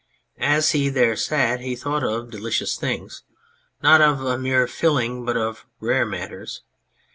As he there sat he thought of delicious things ; not of a mere filling, but of rare matters.